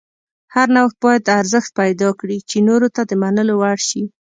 هر نوښت باید ارزښت پیدا کړي چې نورو ته د منلو وړ شي.